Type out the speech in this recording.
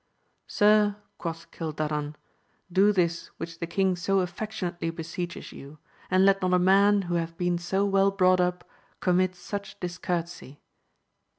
Sir, quoth Cildadan, do this which the king so affec tionately beseeches you ; and let not a man who hath been so well brought up commit such discourtesy.